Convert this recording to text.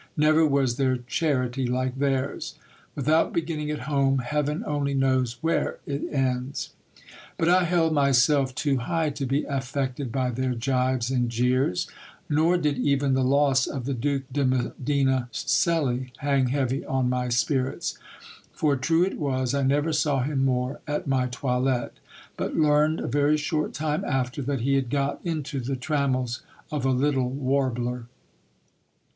Never was there charity like theirs. Without beginning at home, heaven only knows where it ends ! But I held myself too high to be affected by their jibes and jeers : nor did even the loss of the Duke de Medina Celi hang heavy on my spirits ; for true it was, I never saw him more at my toilette, but learned, a very short time after, that he had got into the trammels of a little warbler.